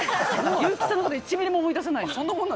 優木さんのこと１ミリも思い出さない。